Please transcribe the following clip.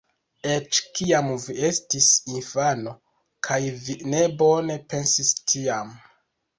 Eĉ kiam vi estis infano, kaj vi ne bone pensis tiam.